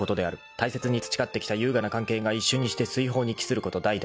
大切に培ってきた優雅な関係が一瞬にして水泡に帰すること大だ］